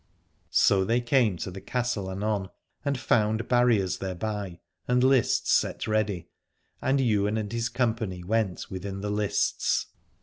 So they came to the castle anon, and found barriers thereby and lists set ready: and Ywain and his company went within the lists.